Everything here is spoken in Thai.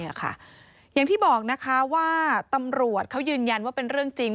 อย่างที่บอกนะคะว่าตำรวจเขายืนยันว่าเป็นเรื่องจริง